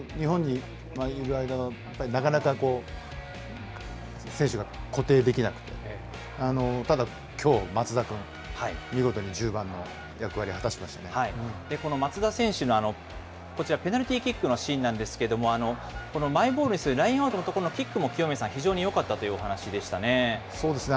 日本にいる間、やっぱりなかなか選手が固定できなくて、ただ、きょう、松田君、見事に１０番の役この松田選手のこちら、ペナルティーキックのシーンなんですけれども、マイボールにする、ラインアウトのところのキックも清宮さん、非常によかったというおそうですね